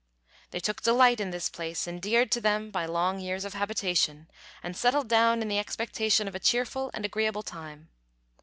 They took delight in this place endeared to them by long years of habitation, and settled down in the expectation of a cheerful and agreeable time.